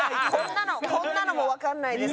「こんなのもわからないですか？」。